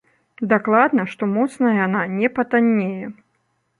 Дакладна, што моцна яна не патаннее.